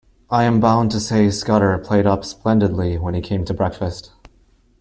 I am bound to say Scudder played up splendidly when he came to breakfast.